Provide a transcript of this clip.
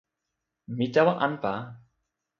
mi tawa anpa.